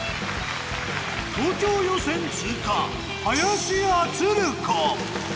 東京予選通過林家つる子。